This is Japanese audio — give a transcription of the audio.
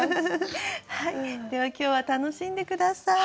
では今日は楽しんで下さい。